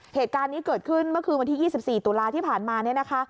เหตุการณ์นี้เกิดขึ้นเมื่อคืนวันที่๒๔ตุลาที่ผ่านมาเนี่ยนะคะ